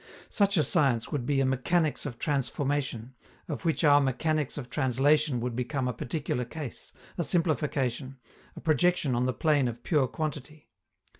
Such a science would be a mechanics of transformation, of which our mechanics of translation would become a particular case, a simplification, a projection on the plane of pure quantity.